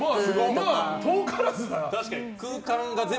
遠からずだな。